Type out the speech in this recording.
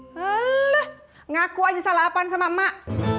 heleh ngaku aja salah apaan sama emak